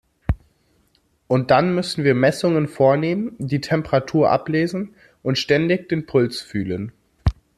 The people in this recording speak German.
Und dann müssen wir Messungen vornehmen, die Temperatur ablesen und ständig den Puls fühlen.